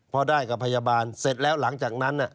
พอได้กับพยาบาลเสร็จแล้วหลังจากนั้น